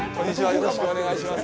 よろしくお願いします。